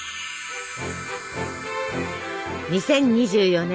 ２０２４年